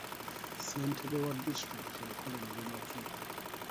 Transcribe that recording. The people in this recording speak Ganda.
Ssentebe wa disitulikiti akola mulimu ki?